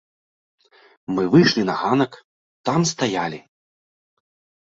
Мы выйшлі на ганак, там стаялі.